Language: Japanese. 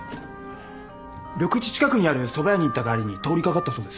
緑地近くにあるそば屋に行った帰りに通り掛かったそうです。